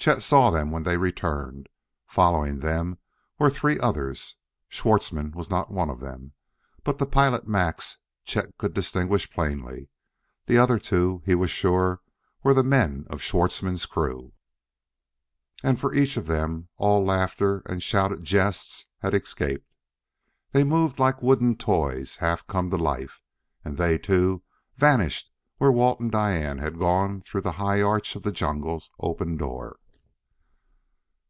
Chet saw them when they returned; following them were three others. Schwartzmann was not one of them; but the pilot, Max, Chet could distinguish plainly; the other two, he was sure, were the men of Schwartzmann's crew. And, for each of them, all laughter and shouted jests had escaped. They moved like wooden toys half come to life. And they, too, vanished where Walt and Diane had gone through the high arch of the jungle's open door.